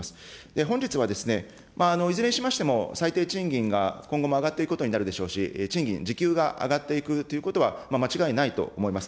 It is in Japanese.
本日は、いずれにしましても、最低賃金が今後も上がっていくことになるでしょうし、賃金、時給が上がっていくということは、間違いないと思います。